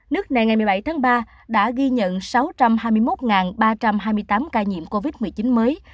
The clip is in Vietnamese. nước này ngày một mươi bảy tháng ba đã ghi nhận sáu trăm hai mươi một ba trăm hai mươi tám ca nhiễm covid một mươi chín mới